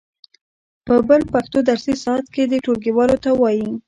په بل پښتو درسي ساعت کې دې ټولګیوالو ته و وایي.